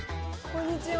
こんにちは。